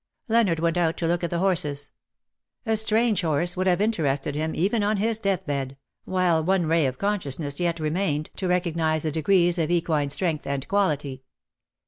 Leonard went out to look at the horses. A strange horse would have interested him even on his death bed, while one ray of consciousnesss yet remained to recognize the degrees of equine strength and quality.